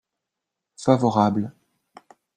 Favorable.